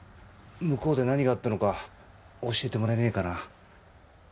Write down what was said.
向こうで何があったのか教えてもらえねえかな？